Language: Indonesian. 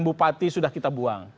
bupati sudah kita buang